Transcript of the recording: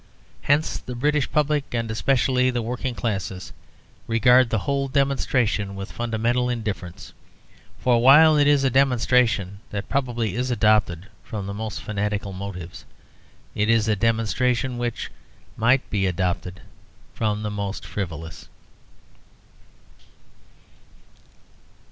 Hence the British public, and especially the working classes, regard the whole demonstration with fundamental indifference; for, while it is a demonstration that probably is adopted from the most fanatical motives, it is a demonstration which might be adopted from the most frivolous.